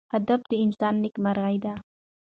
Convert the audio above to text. هدف د انسان نیکمرغي ده.